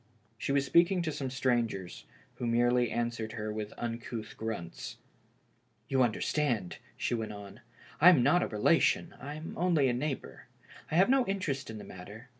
She was speaking to some strangers, who merely answered her with uncouth grunts. "You understand," she went on, " I am not a relation, I'm only a neighbor. I have no interest in the mat ter.